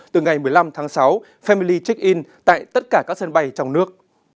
từ ngày một mươi năm tháng sáu family check in tại tất cả các sân bay trong nước